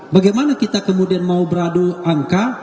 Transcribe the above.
bagaimana kita kemudian mau beradu angka